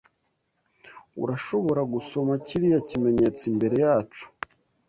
Urashobora gusoma kiriya kimenyetso imbere yacu?